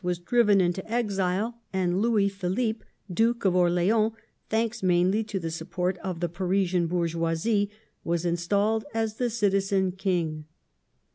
was driven into exile, and Louis Philippe, Duke of Orleans, thanks mainly to the support of the Parisian bourgeoisie, was installed as *' the Citizen King